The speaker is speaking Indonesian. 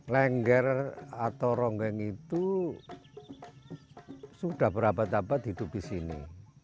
lengger atau ronggeng itu sudah berabad abad hidup di sini